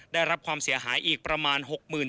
ได้รับความเสียหายอีกประมาณ๖๐๐๐